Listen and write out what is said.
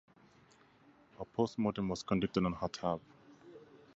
A post-mortem was conducted on Hatab.